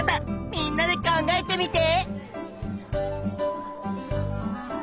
みんなで考えてみて！